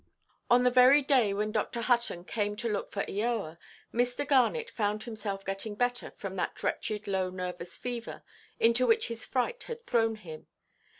On the very day when Dr. Hutton came to look for Eoa, Mr. Garnet found himself getting better from that wretched low nervous fever into which his fright had thrown him.